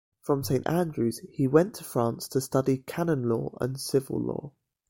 From Saint Andrews he went to France, to study canon law and civil law.